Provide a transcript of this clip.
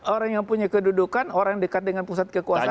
orang yang punya kedudukan orang dekat dengan pusat kekuasaan